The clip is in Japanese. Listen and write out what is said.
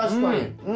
うん。